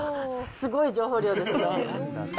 すごい情報量ですよ。